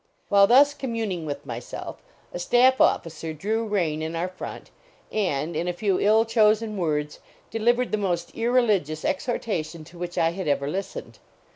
While 210 LAUREL AND CYPRESS thus communing with myself, a staff officer drew rein in our front, and, in a few ill ch words, delivered the most irreligious exhorta tion to which I had ever listened.